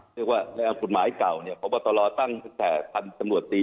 เรียกว่าสุดหมายเก่าพบฏรรอส์ตั้งมาจากพันธุ์ตำรวจตี